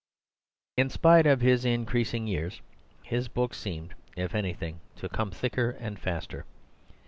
In spite of his increasing years, his books seemed if anything to come thicker and faster.